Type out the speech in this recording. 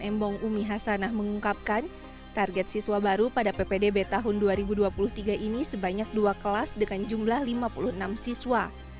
embong umi hasanah mengungkapkan target siswa baru pada ppdb tahun dua ribu dua puluh tiga ini sebanyak dua kelas dengan jumlah lima puluh enam siswa